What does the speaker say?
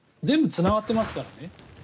全部つながってますからね。